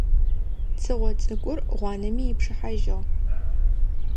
Цыгъо цӏыкӏур, гъуанэми ипшыхьажьыгъ.